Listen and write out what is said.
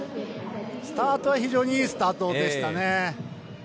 スタートは非常にいいスタートでしたね。